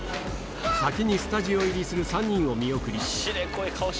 先にスタジオ入りする３人を見送り